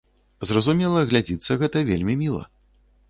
Зразумела, глядзіцца гэта вельмі міла.